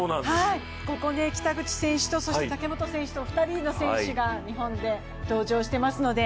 ここ、北口選手と武本選手の２人の選手が日本で登場してますので。